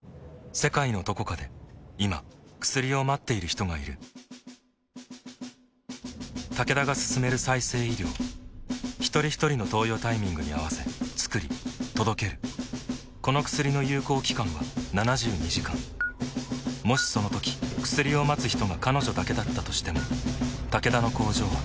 世界のどこかで今薬を待っている人がいるタケダが進める再生医療ひとりひとりの投与タイミングに合わせつくり届けるこの薬の有効期間は７２時間もしそのとき薬を待つ人が彼女だけだったとしてもタケダの工場は彼女のために動くだろう